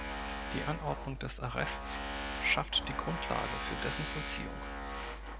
Die Anordnung des Arrests schafft die Grundlage für dessen Vollziehung.